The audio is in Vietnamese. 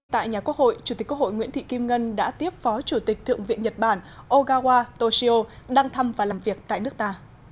tại nhà quốc hội chủ tịch quốc hội nguyễn thị kim ngân đã tiếp phó chủ tịch thượng viện nhật bản ogawa toshio đang thăm và làm việc tại nước ta